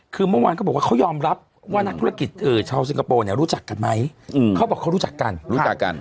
คือเมื่อวานเขาบอกว่าเขายอมรับว่านักธุรกิจชาวสิงคโปร์เนี่ยรู้จักกันไหมเขาบอกเขารู้จักกันรู้จักกัน